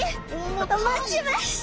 持ちました！